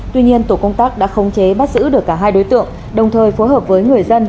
tuy nhiên tổ công tác đã khống chế bắt giữ được cả hai đối tượng đồng thời phối hợp với người dân